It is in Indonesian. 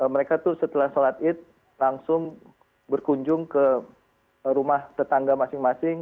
mereka tuh setelah sholat id langsung berkunjung ke rumah tetangga masing masing